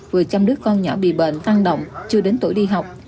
vừa chăm đứa con nhỏ bị bệnh tăng động chưa đến tuổi đi học